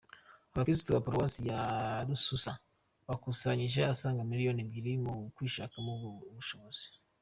Abakirisitu ba Paruwasi ya Rususa bakusanyije asaga miliyoni ebyiri mu kwishakamo ubushobozi